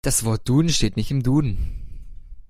Das Wort Duden steht nicht im Duden.